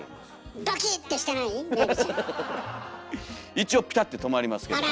一応ピタって止まりますけども。